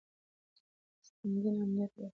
ستنېدنه امنیت غواړي.